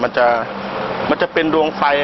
มันจะมันจะเป็นดวงไฟ